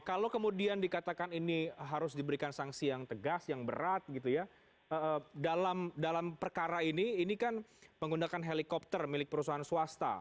kalau kemudian dikatakan ini harus diberikan sanksi yang tegas yang berat gitu ya dalam perkara ini ini kan menggunakan helikopter milik perusahaan swasta